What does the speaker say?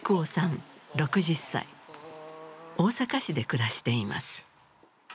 大阪市で暮らしています。